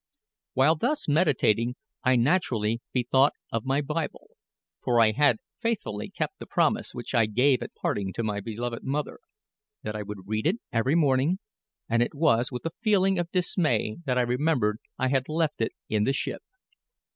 While thus meditating, I naturally bethought me of my Bible, for I had faithfully kept the promise which I gave at parting to my beloved mother that I would read it every morning; and it was with a feeling of dismay that I remembered I had left it in the ship.